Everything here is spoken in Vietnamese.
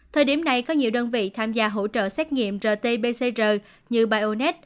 thời điểm này có nhiều đơn vị tham gia hỗ trợ xét nghiệm rt pcr như biontech